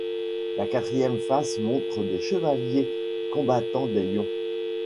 La quatrième face montre des chevaliers combattant des lions.